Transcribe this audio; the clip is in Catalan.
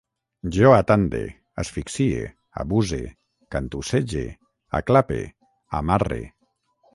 Jo atande, asfixie, abuse, cantussege, aclape, amarre